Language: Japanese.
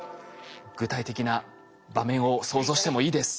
具体的な場面を想像してもいいです。